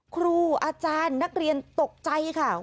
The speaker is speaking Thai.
ครูอาจารย์นักเรียนตกใจค่ะ